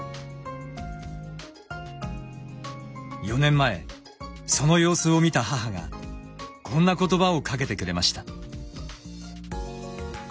４年前その様子を見た母がこんな言葉をかけてくれました。